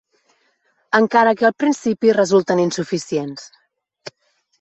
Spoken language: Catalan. Encara que al principi resulten insuficients